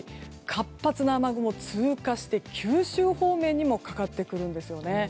活発な雨雲、通過して九州方面にもかかってくるんですね。